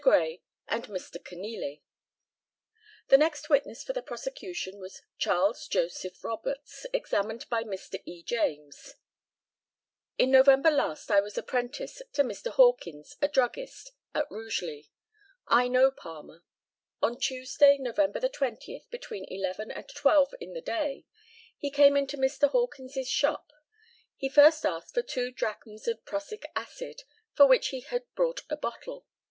Gray, and Mr. Kenealy. The next witness for the prosecution was CHARLES JOSEPH ROBERTS, examined by Mr. E. JAMES: In November last I was apprentice to Mr. Hawkins, a druggist, at Rugeley. I know Palmer. On Tuesday, November the 20th, between eleven and twelve in the day, he came into Mr. Hawkins's shop. He first asked for two drachms of prussic acid, for which he had brought a bottle.